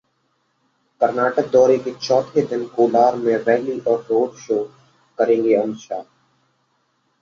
कर्नाटक दौरे के चौथे दिन कोलार में रैली और रोड शो करेंगे अमित शाह